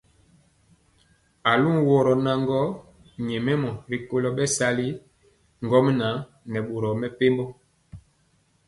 Aluworo naŋgɔ nyɛmemɔ rikolo bɛsali ŋgomnaŋ nɛ boro mepempɔ.